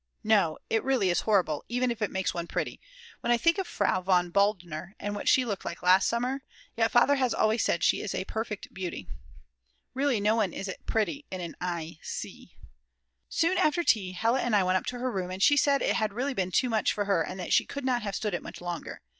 . No, it is really horrible, even if it makes one pretty; when I think of Frau von Baldner and what she looked like last summer, yet Father has always said she is a a perfect beauty. Really no one is pretty in an i c . Soon after tea Hella and I went up to her room, and she said it had really been too much for her and that she could not have stood it much longer.